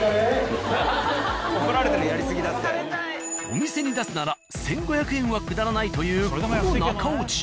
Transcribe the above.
お店に出すなら１５００円は下らないというこの中落ち。